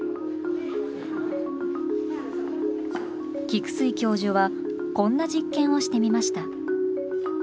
菊水教授はこんな実験をしてみました。